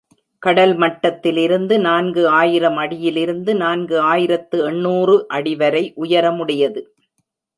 கடல் மட்டத்திலிருந்து நான்கு ஆயிரம் அடியிலிருந்து நான்கு ஆயிரத்து எண்ணூறு அடிவரை உயரமுடையது.